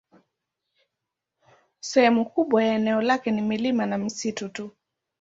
Sehemu kubwa ya eneo lake ni milima na misitu tu.